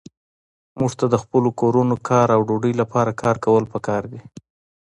موږ ته د خپلو کورونو، کار او ډوډۍ لپاره کار کول پکار دي.